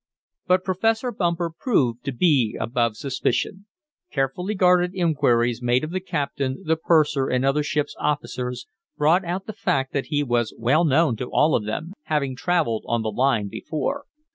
But Professor Bumper proved to be above suspicion. Carefully guarded inquiries made of the captain, the purser and other ships' officers, brought out the fact that he was well known to all of them, having traveled on the line before.